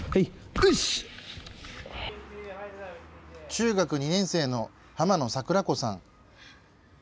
中学２年生の濱野桜子さん。